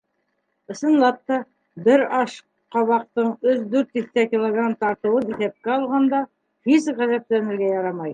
Ысынлап та, бер ашҡабаҡтың өс-дүрт тиҫтә килограмм тартыуын иҫәпкә алғанда, һис ғәжәпләнергә ярамай.